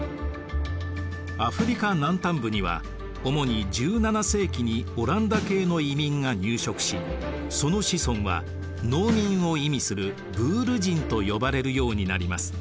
アフリカ南端部には主に１７世紀にオランダ系の移民が入植しその子孫は農民を意味するブール人と呼ばれるようになります。